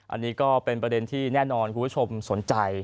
อันนี้ก็เป็นประเด็นที่แน่นอนคุณผู้ชมสนใจ